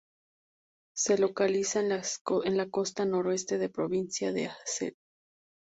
Se localiza en la costa noreste de la provincia de Aceh.